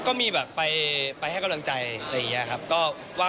ก็มีแบบไปให้กำลังใจอะไรอย่างนี้ครับ